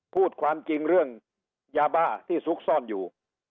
พูดความจริงเรื่องยาบ้าที่ซุกซ่อนอยู่